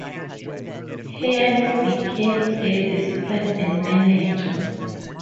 Hearn became Davis' friend and manager.